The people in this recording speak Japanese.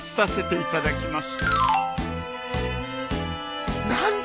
いただきます！